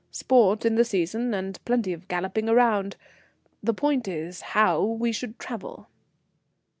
Sport in the season, and plenty of galloping ground. The point is, how we should travel?"